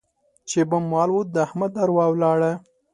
چې بم والوت؛ د احمد اروا ولاړه.